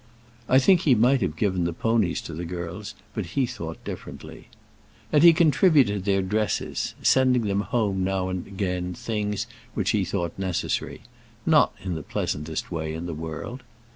I think he might have given the ponies to the girls, but he thought differently. And he contributed to their dresses, sending them home now and again things which he thought necessary, not in the pleasantest way in the world.